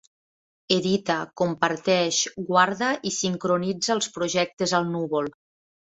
Edita, comparteix, guarda i sincronitza els projectes al núvol.